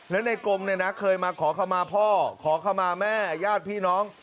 แล้วในกรมเคยมาขอข้าวมาพ่อขอข้าวมาแม่ญาติพี่น้อง